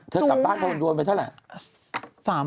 เธอกลับบ้านทะวันรวมไปเท่าไหร่